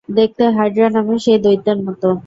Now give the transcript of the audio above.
দেখতে "হাইড্রা" নামের সেই দৈত্যের মতো।